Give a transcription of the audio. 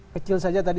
kecil saja tadi